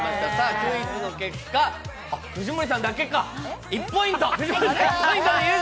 クイズの結果、藤森さんだけか、１ポイントで優勝。